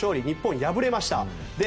日本、敗れました。